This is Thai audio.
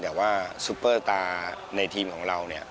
แต่ว่าซุปเปอร์ตาร์ในทีมของเราเนี่ย